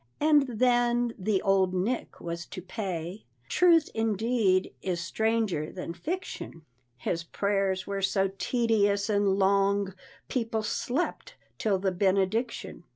And then the "old nick" was to pay, "Truth indeed is stranger than fiction," His prayers were so tedious and long, People slept, till the benediction.